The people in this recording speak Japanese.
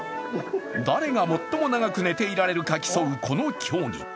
誰が最も長く寝ていられるか競うこの競技。